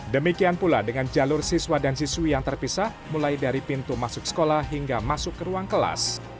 demikian pula dengan jalur siswa dan siswi yang terpisah mulai dari pintu masuk sekolah hingga masuk ke ruang kelas